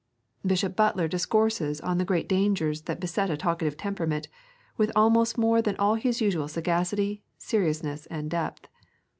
Bishop Butler discourses on the great dangers that beset a talkative temperament with almost more than all his usual sagacity, seriousness, and depth.